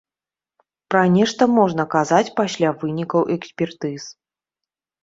Пра нешта можна казаць пасля вынікаў экспертыз.